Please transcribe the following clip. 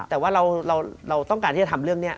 แต่ว่าเราต้องการที่จะทำเรื่องนี้